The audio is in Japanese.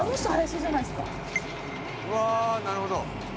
うわーなるほど。